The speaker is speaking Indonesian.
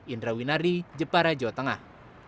indra winardi jepara jawa tengah